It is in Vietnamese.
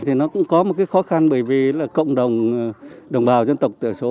thì nó cũng có một cái khó khăn bởi vì là cộng đồng đồng bào dân tộc tiểu số